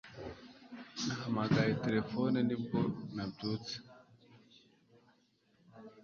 Nahamagaye terefone ni bwo nabyutse